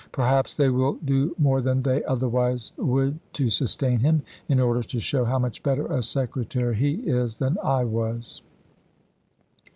Perhaps they will do more than they warden, otherwise would to sustain him, in order to show saimoen°p. how much better a Secretary he is than I was."